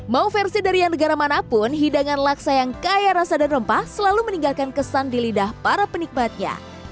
mau versi dari yang negara manapun hidangan laksa yang kaya rasa dan rempah selalu meninggalkan kesan di lidah para penikmatnya